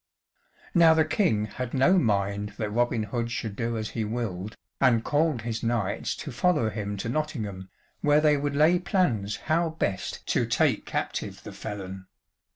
Now the King had no mind that Robin Hood should do as he willed, and called his knights to follow him to Nottingham, where they would lay plans how best to take captive the felon.